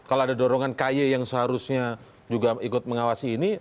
kalau ada dorongan ky yang seharusnya juga ikut mengawasi ini